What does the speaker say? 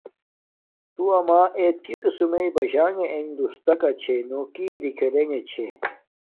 تو ما ایت کی قسم مݵ باشانݣ انݣ دوستاکا چھے نو کی اری کھڈنݣ چھے